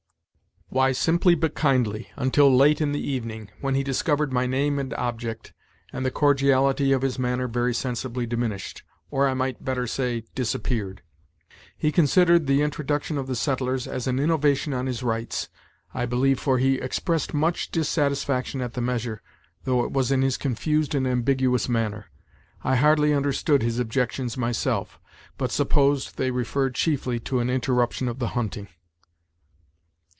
"Why, simply but kindly, until late in the evening, when he discovered my name and object, and the cordiality of his manner very sensibly diminished, or, I might better say, disappeared. He considered the introduction of the settlers as an innovation on his rights, I believe for he expressed much dissatisfaction at the measure, though it was in his confused and ambiguous manner. I hardly understood his objections myself, but supposed they referred chiefly to an interruption of the hunting."